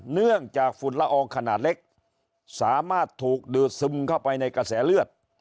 เนื่องจากฝุ่นละอองขนาดเล็กสามารถถูกดูดซึมเข้าไปในกระแสเลือด